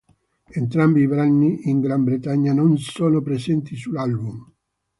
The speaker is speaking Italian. Entrambi i brani in Gran Bretagna non sono presenti su album.